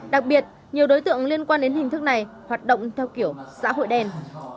đặc biệt nhiều đối tượng liên quan đến hình thức này hoạt động theo kiểu xã hội đen